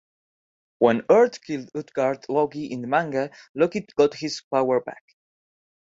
When Urd killed Utgard Loki in the manga, Loki got his power back.